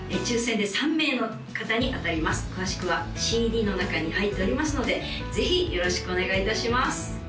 抽選で３名の方に当たります詳しくはＣＤの中に入っておりますのでぜひよろしくお願いいたします